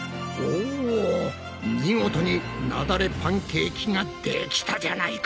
お見事になだれパンケーキができたじゃないか！